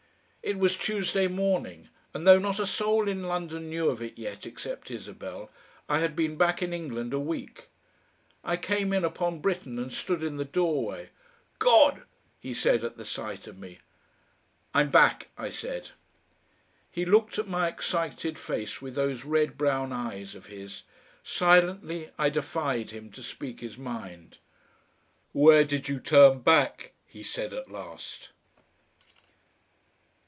It was Tuesday morning, and though not a soul in London knew of it yet except Isabel, I had been back in England a week. I came in upon Britten and stood in the doorway. "GOD!" he said at the sight of me. "I'm back," I said. He looked at my excited face with those red brown eyes of his. Silently I defied him to speak his mind. "Where did you turn back?" he said at last.